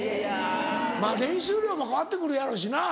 まぁ練習量も変わって来るやろうしな。